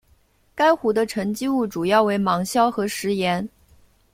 该湖的沉积物主要为芒硝和石盐。